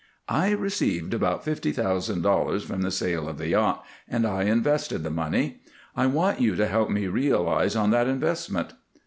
"I received about fifty thousand dollars from the sale of the yacht, and I invested the money. I want you to help me realize on that investment."